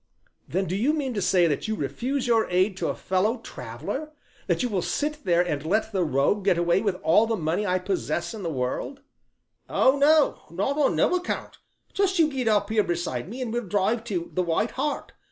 "Then do you mean to say that you refuse your aid to a fellow traveler that you will sit there and let the rogue get away with all the money I possess in the world " "Oh, no; not on no account; just you get up here beside me and we'll drive to 'The White Hart.'